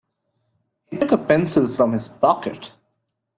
He took a pencil from his pocket.